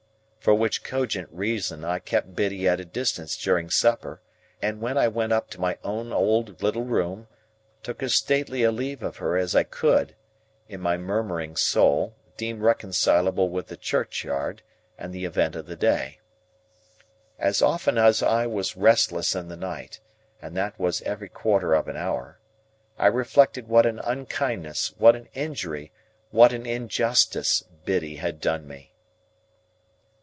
For which cogent reason I kept Biddy at a distance during supper, and when I went up to my own old little room, took as stately a leave of her as I could, in my murmuring soul, deem reconcilable with the churchyard and the event of the day. As often as I was restless in the night, and that was every quarter of an hour, I reflected what an unkindness, what an injury, what an injustice, Biddy had done me.